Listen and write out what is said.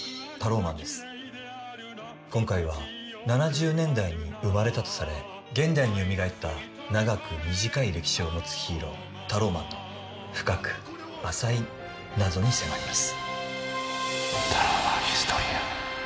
今回は７０年代に生まれたとされ現代によみがえった長く短い歴史を持つヒーロータローマンの深く浅い謎に迫ります。